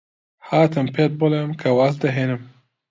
هاتم پێت بڵێم کە واز دەهێنم.